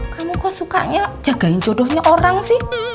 kamu kok sukanya jagain jodohnya orang sih